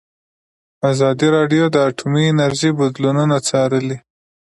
ازادي راډیو د اټومي انرژي بدلونونه څارلي.